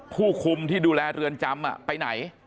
ผู้คุมที่ดูแลเรือนจำไปไหน